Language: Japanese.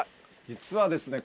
実はですね